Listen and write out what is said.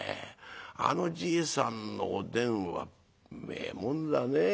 あのじいさんのおでんはうめえもんだねえ。